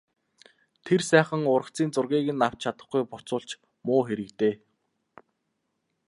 Тэр сайхан ургацын зургийг нь авч чадахгүй буцвал ч муу хэрэг дээ...